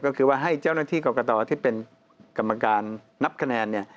ก็คือว่าให้เจ้าหน้าที่กรกตที่เป็นกรรมการนับคะแนนเนี่ย